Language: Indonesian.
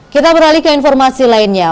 kita beralih ke informasi lainnya